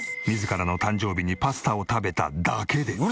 自らの誕生日にパスタを食べただけで。